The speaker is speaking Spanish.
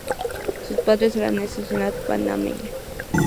Su padre es de nacionalidad panameña.